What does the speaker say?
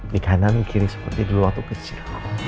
di kanan kiri seperti dulu waktu kecil